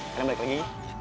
kita balik lagi